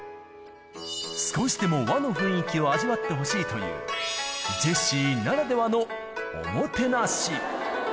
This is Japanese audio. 少しでも和の雰囲気を味わってほしいという、ジェシーならではのおもてなし。